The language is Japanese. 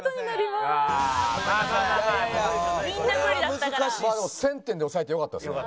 まあでも１０００点で抑えてよかったですね。